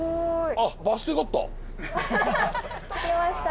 あっバス停があった。